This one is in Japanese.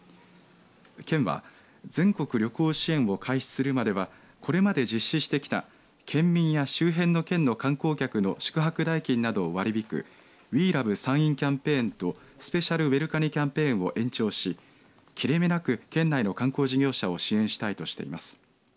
県は、全国旅行支援を開始するまではこれまで実施してきた県民や周辺の県の観光客の宿泊代金などを割り引くＷｅＬｏｖｅ山陰キャンペーンとスペシャル・ウェルカニキャンペーンを延長し切れ目なく県内の観光事業者を支援したいとしています。